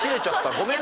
ごめんね。